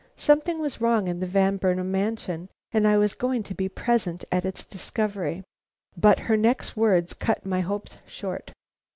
Something was wrong in the Van Burnam mansion, and I was going to be present at its discovery. But her next words cut my hopes short.